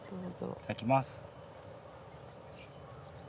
いただきます。